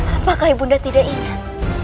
apakah ibunda tidak ingat